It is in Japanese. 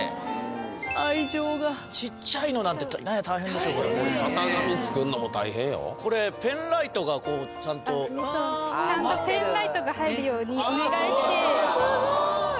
愛情がちっちゃいのなんてね大変でしょこれはね型紙作んのも大変よこれペンライトがこうちゃんとちゃんとペンライトが入るようにお願いしてすごい！